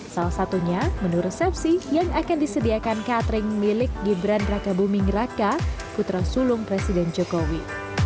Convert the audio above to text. salah satunya menu resepsi yang akan disediakan catering milik gibran raka buming raka putra sulung presiden jokowi